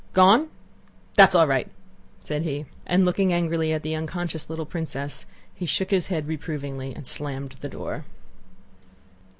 "Gone? That's all right!" said he; and looking angrily at the unconscious little princess, he shook his head reprovingly and slammed the door.